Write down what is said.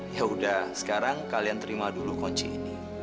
yaudah sekarang kalian terima dulu kunci ini